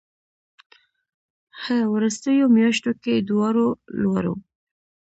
ه وروستيو مياشتو کې دواړو لورو